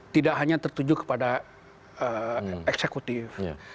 tidak hanya tertuju kepada eksekutif